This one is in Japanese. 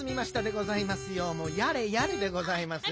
もうやれやれでございます。